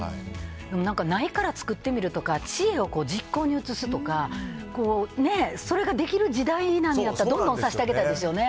ないから作ってみるとか知恵を実行に移すとかそれができる時代なんやったらどんどんさせてあげたいですね。